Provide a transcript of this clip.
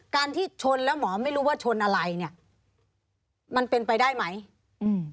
ที่ชนแล้วหมอไม่รู้ว่าชนอะไรเนี้ยมันเป็นไปได้ไหมอืม